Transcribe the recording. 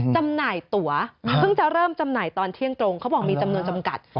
จำหน่ายตัวเพิ่งจะเริ่มจำหน่ายตอนเที่ยงตรงเขาบอกมีจำนวนจำกัด